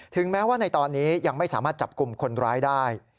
แม้ว่าในตอนนี้ยังไม่สามารถจับกลุ่มคนร้ายได้